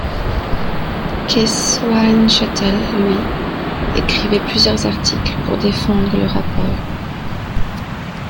Keith Windschuttle, lui, écrivit plusieurs articles pour défendre le rapport.